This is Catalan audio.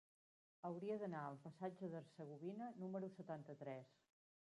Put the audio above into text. Hauria d'anar al passatge d'Hercegovina número setanta-tres.